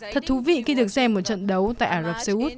thật thú vị khi được xem một trận đấu tại ả rập xê út